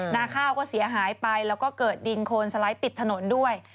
นาข้าวก็เสียหายไปแล้วก็เกิดดินโคนสไลด์ปิดถนนด้วย